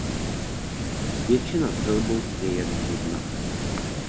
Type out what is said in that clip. Většina filmu je jen nudná.